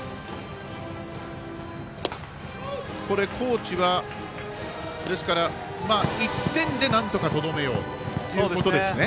高知は、ですから１点でなんとかとどめようということですね。